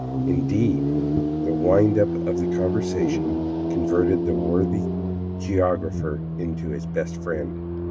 Indeed, the wind up of the conversation converted the worthy geographer into his best friend.